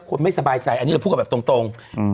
คนไม่สบายใจอันนี้พูดกับแบบตรง